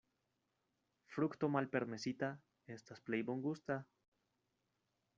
Frukto malpermesita estas plej bongusta.